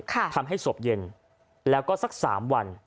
ทำให้ศพเย็นแล้วก็สักสามวัน